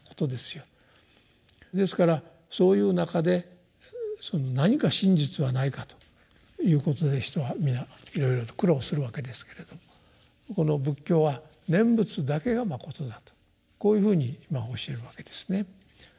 ですからそういう中でその何か真実はないかということで人は皆いろいろと苦労するわけですけれどこの仏教は念仏だけがまことだとこういうふうに教えるわけですね。